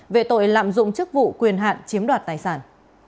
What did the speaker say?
về tội lạm dụng chức vụ quyền hạn chiếm đoạt tài sản